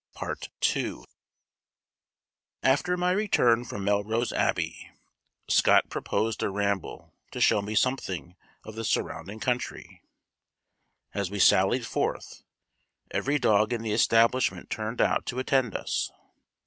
After my return from Melrose Abbey, Scott proposed a ramble to show me something of the surrounding country. As we sallied forth, every dog in the establishment turned out to attend us.